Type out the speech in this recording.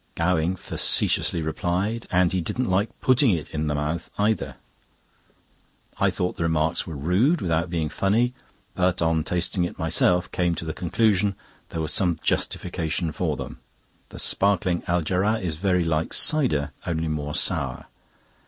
Gowing facetiously replied: "And he didn't like putting it in the mouth either." I thought the remarks were rude without being funny, but on tasting it myself, came to the conclusion there was some justification for them. The sparkling Algéra is very like cider, only more sour.